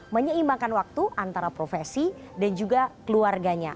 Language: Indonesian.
menyeimbangkan waktu antara profesi dan juga keluarganya